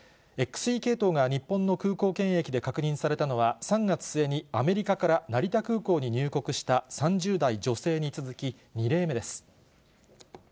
ＸＥ系統が日本の空港検疫で確認されたのは、３月末にアメリカから成田空港に入国した３０代女性に続き、２例目です。